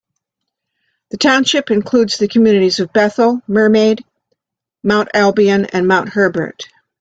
The township includes the communities of Bethel, Mermaid, Mount Albion and Mount Herbert.